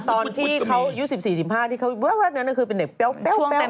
ตอนที่เขายุทธ์๑๔๑๕ที่ว่าแบบนี้มันคือเป็นเด็กแป๊ว